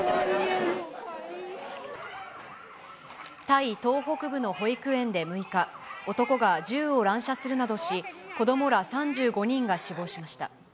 タイ東北部の保育園で６日、男が銃を乱射するなどし、子どもら３５人が死亡しました。